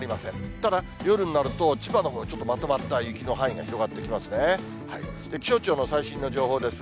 ただ、夜になると、千葉のほう、ちょっとまとまった雪の範囲が広がってきますね。